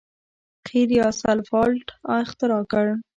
قیر یا سفالټ اختراع کړ.